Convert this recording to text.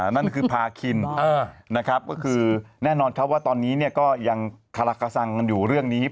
นั่นคือพาคินนะครับก็คือแน่นอนครับว่าตอนนี้ก็ยังคาลักกระสังกันอยู่เรื่องนี้